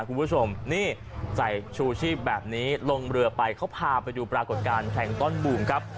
คุณผู้ชมนี่ใส่ชูชีพแบบนี้ลงเรือไปเขาพาไปดูปรากฏการณ์แข่งตอนบูมครับ